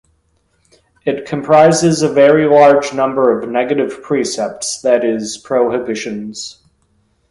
It comprises a very large number of negative precepts, that is, prohibitions.